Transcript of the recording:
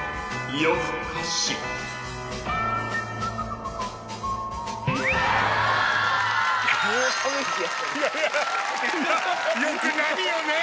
よくないよねぇ。